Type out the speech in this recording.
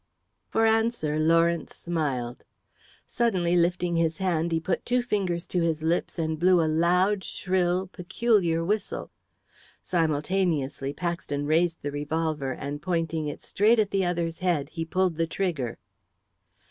For answer Lawrence smiled. Suddenly, lifting his hand, he put two fingers to his lips and blew a loud, shrill, peculiar whistle. Simultaneously Paxton raised the revolver, and, pointing it straight at the other's head, he pulled the trigger.